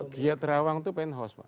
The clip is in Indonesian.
kiat rawang itu penthouse pak